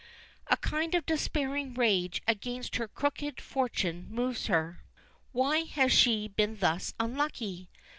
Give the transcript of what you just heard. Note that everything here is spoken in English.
A kind of despairing rage against her crooked fortune moves her. Why has she been thus unlucky?